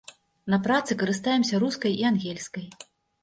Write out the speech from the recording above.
На працы карыстаемся рускай і ангельскай.